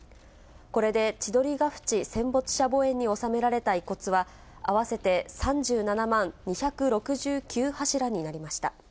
これで千鳥ヶ淵戦没者墓苑に納められた遺骨は合わせて３７万２６９柱になりました。